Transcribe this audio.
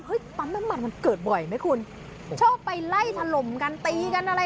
เฮ้ยปั้มมันเกิดบ่อยมั้ยคุณโชคไปไล่ถรมกันตีกันอะไร